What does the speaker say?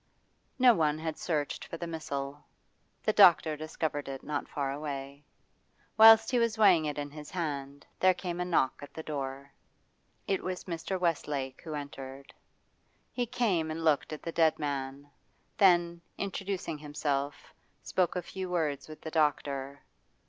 No one had searched for the missile. The doctor discovered it not far away. Whilst he was weighing it in his hand there came a knock at the door. It was Mr. Westlake who entered. He came and looked at the dead man, then, introducing himself, spoke a few words with the doctor.